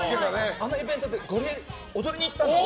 あのイベントで、ゴリエ踊りに行ったの。